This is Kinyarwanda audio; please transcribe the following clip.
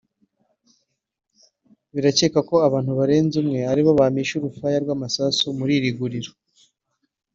Birakekwa ko abantu barenze umwe aribo bamishe urufaya rw’amasasu muri iri guriro